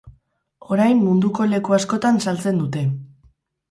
Orain munduko leku askotan saltzen dute.